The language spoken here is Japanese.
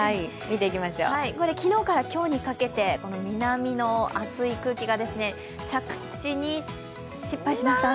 これ昨日から今日にかけて南の暑い空気が着地に失敗しました。